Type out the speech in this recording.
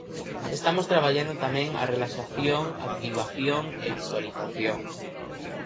Estamos traballando tamén a relaxación, activación e visualización.